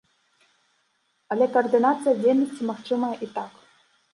Але каардынацыя дзейнасці магчымая і так.